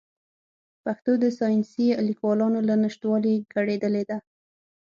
پښتو د ساینسي لیکوالانو له نشتوالي کړېدلې ده.